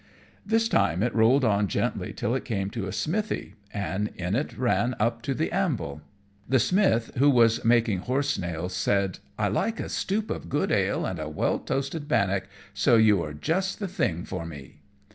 This time it rolled on gently till it came to a smithy, and in it ran up to the anvil. The smith, who was making horse nails, said, "I like a stoup of good ale and a well toasted bannock, so you are just the thing for me."